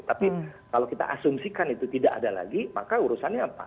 tapi kalau kita asumsikan itu tidak ada lagi maka urusannya apa